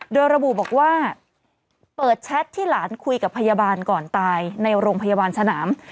โดยระบุบอกว่าเปิดแชทที่หลานคุยกับพยาบาลก่อนตายในโรงพยาบาลสนาม